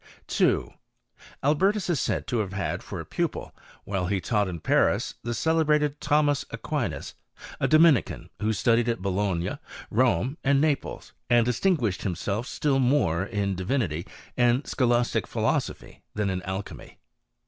* 2. Albertus is said to have had for a pupil, while e taught in Paris, the celebrated Thomas Aquinas, a k>minican, who studied at Bologna, Rome, and Faples, and distinguished himself still more in divi ity and scholastic philosophy than in alchymy.